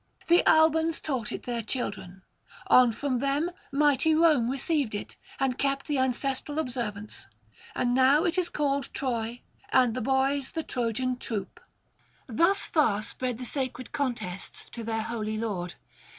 The Albans taught it their children; on from them mighty Rome received it and kept the ancestral observance; and now it is called Troy, and the boys the Trojan troop. Thus far sped the sacred contests to their holy lord.